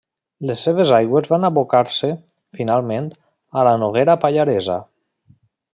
Les seves aigües van a abocar-se, finalment, a la Noguera Pallaresa.